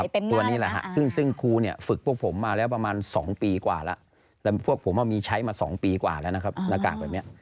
ตัวนี้แหละฮะซึ่งครูเนี่ยฝึกพวกผมมาแล้วประมาณ๒ปีกว่าแล้วแล้วพวกผมมีใช้มา๒ปีกว่าแล้วนะครับหน้ากากแบบนี้